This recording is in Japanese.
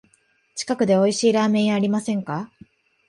近くでおいしいラーメン屋ありませんか？